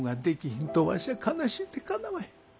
んとわしは悲しいてかなわへん。